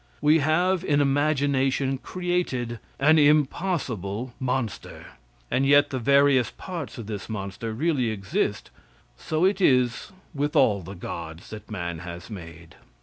We have in imagination created an impossible monster. And yet the various parts of this monster really exist. So it is with all the gods that man has made.